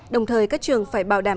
đồng thời các trường phải bảo đảm